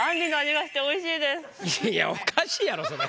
いやおかしいやろそれ。